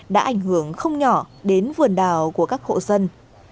đã ảnh hưởng không nhỏ đến vườn đào của các hộ dân